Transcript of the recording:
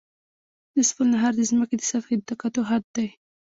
نصف النهار د ځمکې د سطحې د تقاطع خط دی